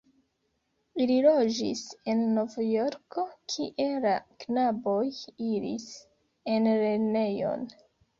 Ili loĝis en Novjorko, kie la knaboj iris en lernejon.